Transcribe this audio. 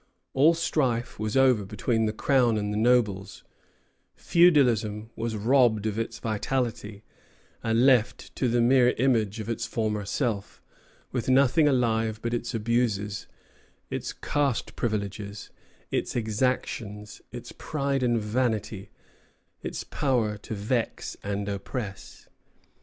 All strife was over between the Crown and the nobles; feudalism was robbed of its vitality, and left the mere image of its former self, with nothing alive but its abuses, its caste privileges, its exactions, its pride and vanity, its power to vex and oppress.